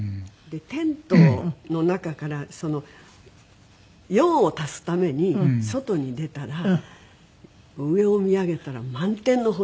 テントの中から用を足すために外に出たら上を見上げたら満天の星。